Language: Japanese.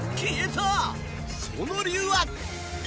その理由は。